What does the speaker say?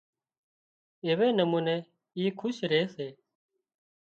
ايوي نموني اِي کُش ري سي